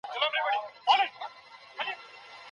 پلار د خپلو خپلوانو او عزیزانو سره د صله رحمۍ امر کوي.